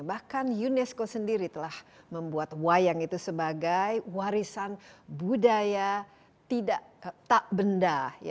bahkan unesco sendiri telah membuat wayang itu sebagai warisan budaya tak benda